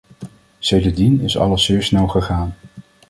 Sedertdien is alles zeer snel gegaan.